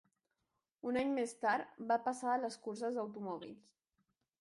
Un any més tard va passar a les curses d'automòbils.